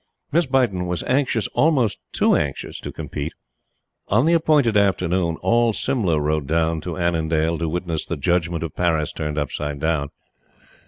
Miss Beighton was anxious almost too anxious to compete. On the appointed afternoon, all Simla rode down to Annandale to witness the Judgment of Paris turned upside down.